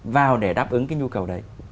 vào để đáp ứng cái nhu cầu đấy